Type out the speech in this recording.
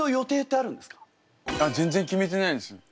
あっ全然決めてないです。